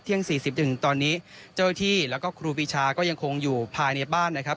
๔๐จนถึงตอนนี้เจ้าที่แล้วก็ครูปีชาก็ยังคงอยู่ภายในบ้านนะครับ